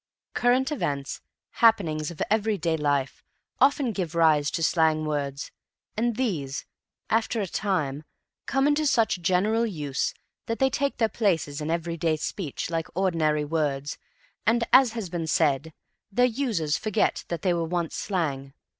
Current events, happenings of everyday life, often give rise to slang words, and these, after a time, come into such general use that they take their places in everyday speech like ordinary words and, as has been said, their users forget that they once were slang.